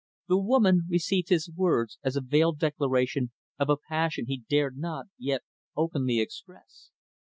The woman received his words as a veiled declaration of a passion he dared not, yet, openly express.